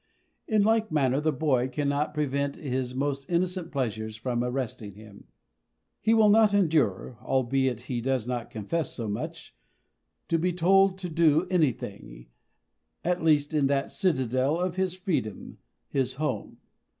In like manner the boy cannot prevent his most innocent pleasures from arresting him. He will not endure (albeit he does not confess so much) to be told to do anything, at least in that citadel of his freedom, his home.